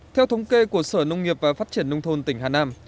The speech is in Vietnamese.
theo thống kê của sở nông nghiệp và phát triển nông thôn tỉnh hà nam